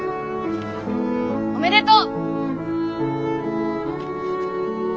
おめでとう。